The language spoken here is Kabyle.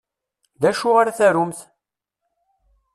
D acu ara tarumt?